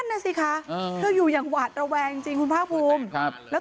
นั่นน่ะสิคะเธออยู่อย่างหวาดระแวงจริงคุณภาคภูมิครับแล้ว